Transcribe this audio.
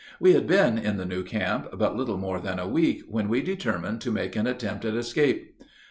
We had been in the new camp but little more than a week when we determined to make an attempt at escape.